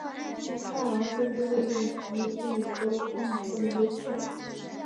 艾昂县是位于美国密苏里州东南部的一个县。